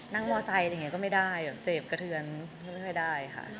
นั่งมอไซด์อะไรอย่างนี้ก็ไม่ได้เจ็บกระเทือนก็ไม่ได้ค่ะ